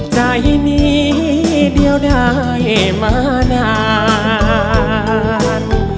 ใจมีเดียวได้มานาน